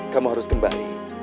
kamu harus kembali